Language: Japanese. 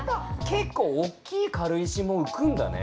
結構おっきい軽石も浮くんだね。